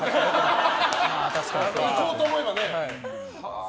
いこうと思えばね。